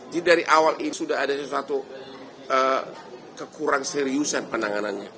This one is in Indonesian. jadi dari awal ini sudah ada sesuatu kekurang seriusan penanganannya